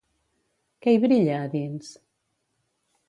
Què hi brilla, a dins?